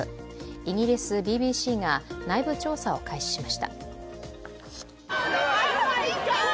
イギリスＢＢＣが内部調査を開始しました。